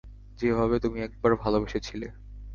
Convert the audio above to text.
যেভাবে তুমি একবার ভালবেসেছিলে।